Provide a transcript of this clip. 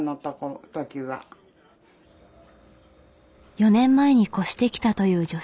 ４年前に越してきたという女性。